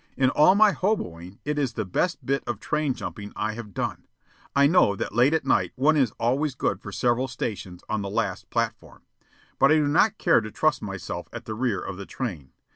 In all my hoboing it is the best bit of train jumping I have done. I know that late at night one is always good for several stations on the last platform, but I do not care to trust myself at the rear of the train.